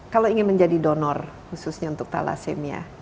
kalau ingin menjadi donor khususnya untuk thalassemia